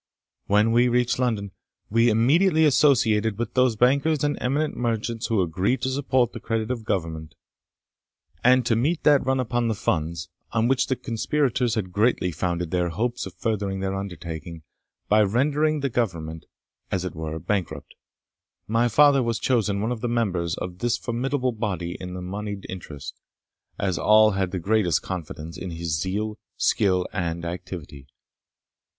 When we reached London, we immediately associated with those bankers and eminent merchants who agreed to support the credit of Government, and to meet that run upon the funds, on which the conspirators had greatly founded their hopes of furthering their undertaking, by rendering the Government, as it were, bankrupt. My father was chosen one of the members of this formidable body of the monied interest, as all had the greatest confidence in his zeal, skill, and activity.